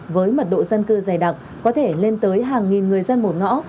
với mật độ dân cư dày đặc có thể lên tới hàng nghìn người dân một ngõ